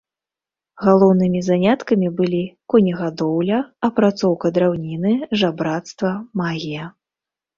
Галоўнымі заняткамі былі конегадоўля, апрацоўка драўніны, жабрацтва, магія.